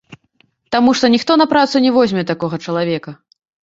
Таму што ніхто на працу не возьме такога чалавека.